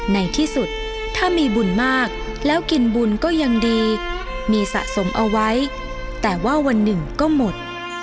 ในที่สุดถ้ามีบุญมากแล้วกินบุญก็ยังดีมีสะสมเอาไว้แต่ว่าวันหนึ่งก็หมด